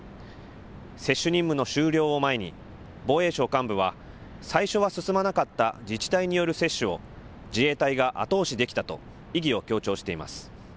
接種任務の終了を前に、防衛省幹部は、最初は進まなかった自治体による接種を、自衛隊が後押しできたと、意義を強調しています。